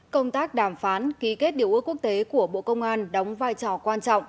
công tác đàm phán ký kết điều ước quốc tế của bộ công an đóng vai trò quan trọng